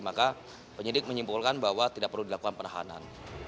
maka penyidik menyimpulkan bahwa tidak perlu dilakukan penahanan